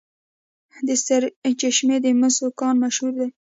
د سرچشمې د مسو کان مشهور دی.